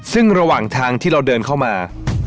ซึ่งระหว่างทางที่เราเดินเข้ามา